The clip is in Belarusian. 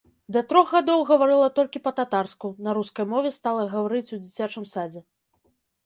Да трох гадоў гаварыла толькі па-татарску, на рускай мове стала гаварыць у дзіцячым садзе.